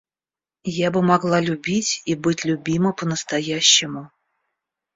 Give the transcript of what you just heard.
Я бы могла любить и быть любима по-настоящему.